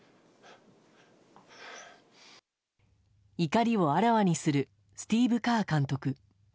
怒りをあらわにするスティーブ・カー監督。